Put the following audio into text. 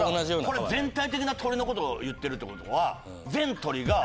これだから全体的な鳥のことをいってるってことは。